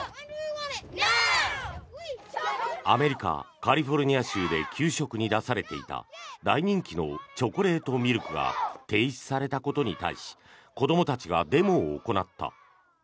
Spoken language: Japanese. アメリカ・カリフォルニア州で給食に出されていた大人気のチョコレートミルクが停止されたことに対し子どもたちがデモを行った。